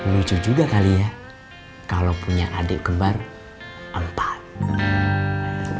lucu juga kali ya kalau punya adik kembar empat